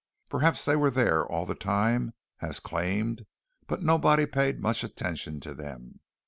Perhaps they were there all the time, as claimed, but nobody paid much attention to them.